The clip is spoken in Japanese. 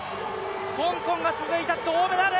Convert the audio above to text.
香港が続いた銅メダル。